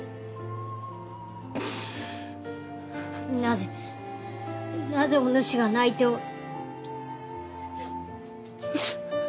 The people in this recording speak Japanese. なぜなぜおぬしが泣いておる？